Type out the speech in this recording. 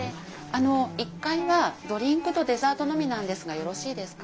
あの１階はドリンクとデザートのみなんですがよろしいですか？